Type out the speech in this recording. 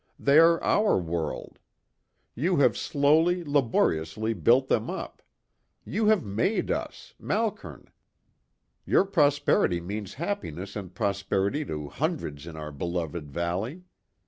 They are our world. You have slowly, laboriously built them up. You have made us Malkern. Your prosperity means happiness and prosperity to hundreds in our beloved valley.